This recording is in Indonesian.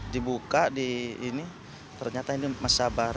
dibuka di ini ternyata ini mas sabar